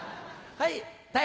はい。